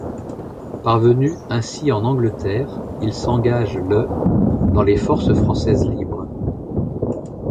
Parvenu ainsi en Angleterre, il s'engage le dans les Forces françaises libres.